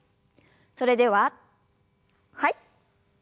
それでははい。